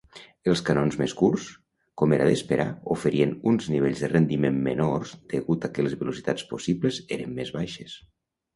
Els canons més curts, com era d'esperar, oferien uns nivells de rendiment menors degut a que les velocitats possibles eren més baixes.